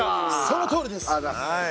そのとおりです。